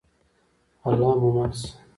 الله مو مل شه؟